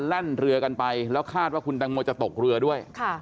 แล่นเรือกันไปแล้วคาดว่าคุณตังโมจะตกเรือด้วย